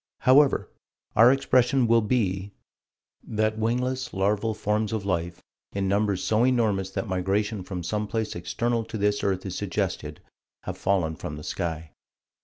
However, our expression will be: That wingless, larval forms of life, in numbers so enormous that migration from some place external to this earth is suggested, have fallen from the sky.